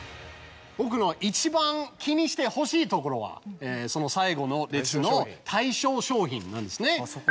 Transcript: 僕の一番気にしてほしいところはその最後の列の対象商品なんですね。